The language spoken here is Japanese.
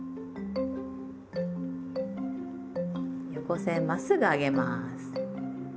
横線まっすぐ上げます。